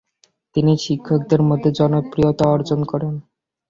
তিনি শিক্ষকদের মধ্যে জনপ্রিয়তা অর্জন করেন।